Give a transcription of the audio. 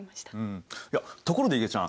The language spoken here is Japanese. ところでいげちゃん